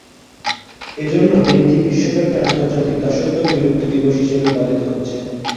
এজন্য দিনটি বিশ্বব্যাপী আন্তর্জাতিক দাসত্ব বিলুপ্তি দিবস হিসেবে পালিত হচ্ছে।